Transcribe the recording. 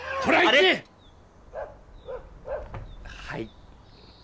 はい。